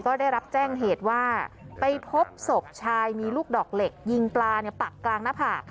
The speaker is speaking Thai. ก็ได้รับแจ้งเหตุว่าไปพบศพชายมีลูกดอกเหล็กยิงปลาปักกลางหน้าผาก